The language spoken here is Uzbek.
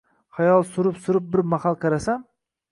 Xayol surib-surib bir mahal qarasam